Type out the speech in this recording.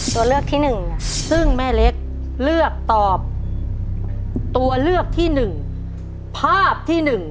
ตัวเลือกที่หนึ่งซึ่งแม่เล็กเลือกตอบตัวเลือกที่๑ภาพที่๑